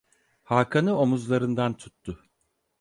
Hakan'ı omuzlarından tuttu.